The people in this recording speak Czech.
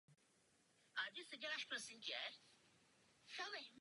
Současně může loď mít na palubě až tři rakety Zenit.